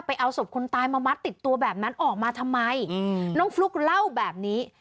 เอาศพคนตายมามัดติดตัวแบบนั้นออกมาทำไมน้องฟลุ๊กเล่าแบบนี้